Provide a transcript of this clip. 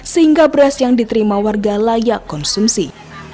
sehingga beras yang diterima warga layak konsumsi